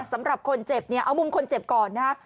สำหรับคนเจ็บเนี่ยเอามุมคนเจ็บก่อนนะฮะ